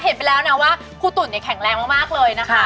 ไปแล้วนะว่าครูตุ๋นเนี่ยแข็งแรงมากเลยนะคะ